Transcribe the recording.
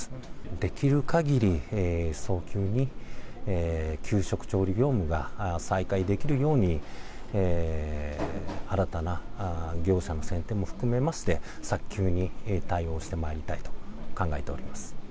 できるかぎり早急に給食調理業務が再開できるように、新たな業者の選定も含めまして、早急に対応してまいりたいと考えております。